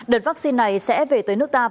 đợt vaccine này sẽ về tới nước thái bắc